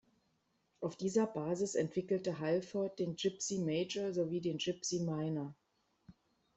Auf dieser Basis entwickelte Halford den Gipsy Major sowie den Gipsy Minor.